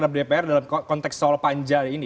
iya itu bisa tetap ketik tamu burning